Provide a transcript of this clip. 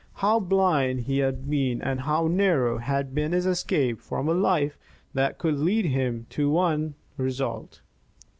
How blind he had been and how narrow had been his escape from a life that could lead to but one result!